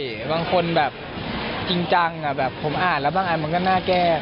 ใช่บางคนจริงจังผมอ่านแล้วบางอันมันก็น่าแกล้ง